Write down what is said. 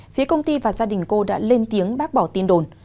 phía công ty và gia đình cô đã lên tiếng bác bỏ tin đồn